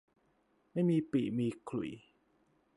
ไม่มีปี่มีขลุ่ย